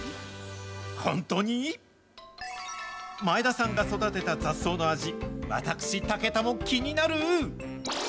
前田さんが育てた雑草の味、私、武田も気になる。